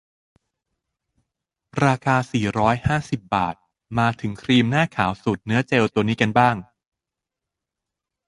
ราคา สี่ร้อยห้าสิบ บาท มาถึงครีมหน้าขาวสูตรเนื้อเจลตัวนี้กันบ้าง